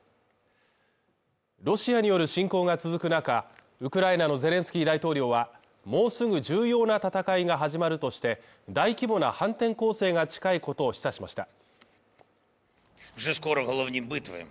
ロシアによる侵攻が続く中、ウクライナのゼレンスキー大統領は、もうすぐ重要な戦いが始まるとして、大規模な反転攻勢が近いことを示唆しました。